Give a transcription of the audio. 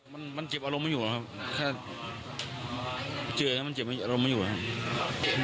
มันเจ็บอารมณ์ไม่อยู่ครับถ้าเจออย่างนั้นมันเจ็บอารมณ์ไม่อยู่ครับ